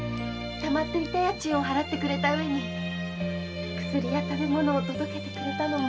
たまっていた家賃を払ってくれたうえに薬や食べ物を届けてくれたのも。